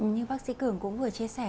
như bác sĩ cường cũng vừa chia sẻ